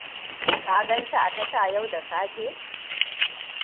Ka ganshi a tasha yau da safe?